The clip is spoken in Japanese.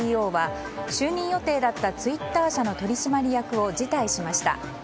ＣＥＯは就任予定だったツイッター社の取締役を辞退しました。